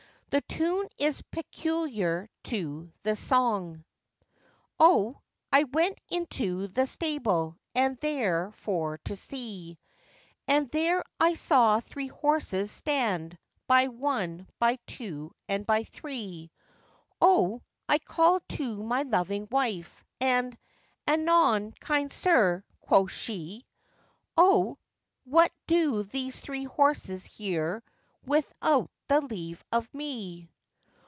The tune is peculiar to the song.] O! I went into the stable, and there for to see, And there I saw three horses stand, by one, by two, and by three; O! I called to my loving wife, and 'Anon, kind sir!' quoth she; 'O! what do these three horses here, without the leave of me?